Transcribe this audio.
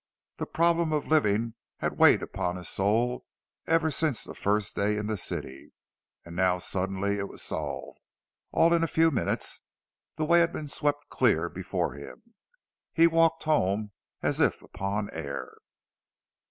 The problem of a living had weighed on his soul ever since the first day in the city, and now suddenly it was solved; all in a few minutes, the way had been swept clear before him. He walked home as if upon air.